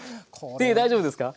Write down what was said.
手大丈夫ですか？